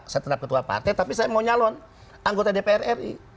saya tetap ketua partai tapi saya mau nyalon anggota dpr ri